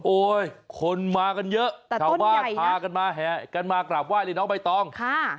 คนมากันเยอะชาวบ้านพากันมาแห่กันมากราบไห้เลยน้องใบตองค่ะ